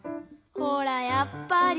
ほらやっぱり。